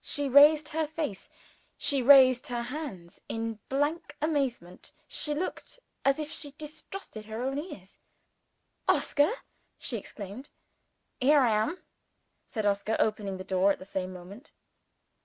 She raised her face, she raised her hands, in blank amazement: she looked as if she distrusted her own ears. "Oscar!" she exclaimed. "Here I am," said Oscar, opening the door at the same moment.